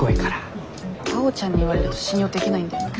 あおちゃんに言われると信用できないんだよな。